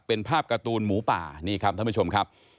เป็นภาพการ์ตูนหมูป่านี่ครับท่านผู้ชมครับ